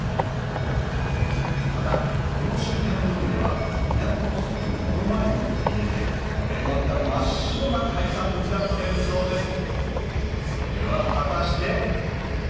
またこの周辺の海では港のすぐ目の前の入り江でこれまた真っ白な海産物が取れるそうです